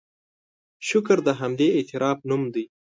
شکر د همدې اعتراف نوم دی.